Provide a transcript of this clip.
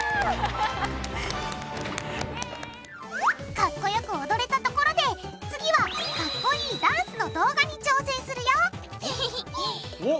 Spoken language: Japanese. かっこよく踊れたところで次はかっこいいダンスの動画に挑戦するよおっ！